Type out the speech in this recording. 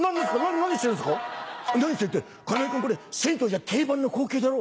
「何してるって金井君これ銭湯じゃ定番の光景だろ？」。